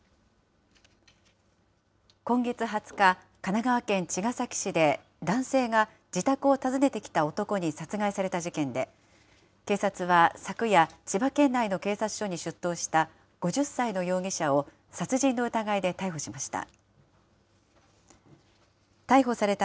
今月２０日、神奈川県茅ヶ崎市で、男性が自宅を訪ねてきた男に殺害された事件で、警察は、昨夜、千葉県内の警察署に出頭した５０歳の容疑者を殺人の疑いで逮捕しました。